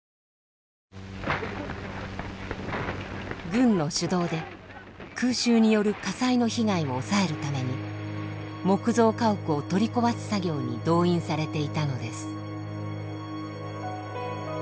軍の主導で空襲による火災の被害を抑えるために木造家屋を取り壊す作業に動員されていたのです。